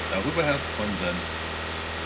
Darüber herrscht Konsens.